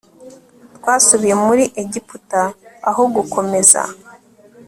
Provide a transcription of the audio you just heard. Twasubiye muri Egiputa aho gukomeza